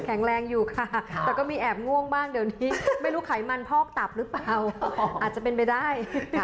แรงอยู่ค่ะแต่ก็มีแอบง่วงบ้างเดี๋ยวนี้ไม่รู้ไขมันพอกตับหรือเปล่าอาจจะเป็นไปได้